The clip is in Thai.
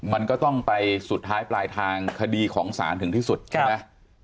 มันก็ต้องไปสุดท้ายปลายทางคดีของศาลถึงที่สุดใช่ไหม